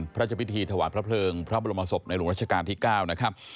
พระเจ้าพิธีถวายพระเพลิงพระบรมศพในหลวงราชการที่๙นะครับ